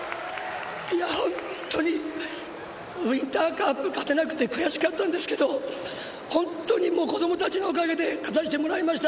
本当にウインターカップ勝てなくて悔しかったんですけど本当に子どもたちのおかげで勝たせてもらいました。